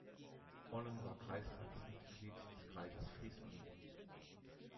Onnen war Kreistagsmitglied des Kreises Friesland.